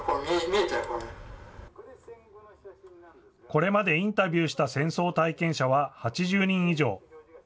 これまでインタビューした戦争体験者は８０人以上。